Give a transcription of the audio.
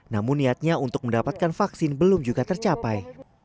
namun niatnya untuk mendapatkan vaksin belum juga tercapai